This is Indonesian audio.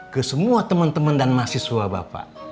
ke semua temen temen dan mahasiswa bapak